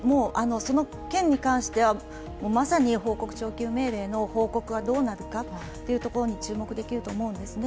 その件に関しては報告徴求命令の報告がどうなるかというところに注目できると思うんですね。